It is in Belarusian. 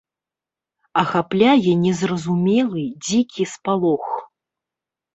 Ахапляе незразумелы, дзікі спалох.